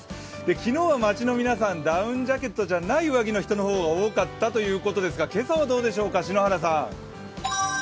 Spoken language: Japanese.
昨日は街の皆さん、ダウンジャケットじゃない上着の方が多かったということですが、今朝はどうでしょうか、篠原さん。